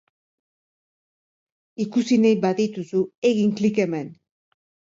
Ikusi nahi badituzu, egin klik hemen.